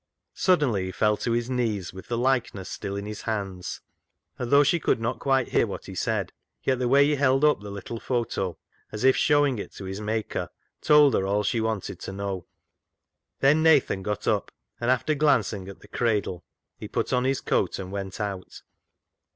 Suddenly he fell to his knees with the like ness still in his hands, and though she could not quite hear what he said, yet the way he I20 CLOG SHOP CHRONICLES held up the little photo as if showing it to his Maker told her all she wanted to know. Then Nathan got up, and after glancing at the cradle he put on his coat and went out.